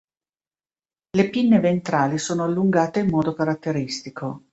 Le pinne ventrali sono allungate in modo caratteristico.